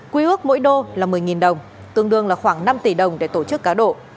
quy ước mỗi đô là một mươi đồng tương đương là khoảng năm tỷ đồng để tổ chức cá độ